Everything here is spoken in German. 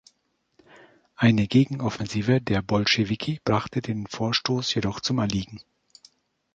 Eine Gegenoffensive der Bolschewiki brachte den Vorstoß jedoch zum Erliegen.